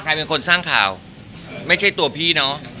ใครเป็นคนสร้างข่าวไม่ใช่ตัวพี่เนอะ